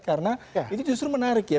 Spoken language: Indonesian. karena itu justru menarik ya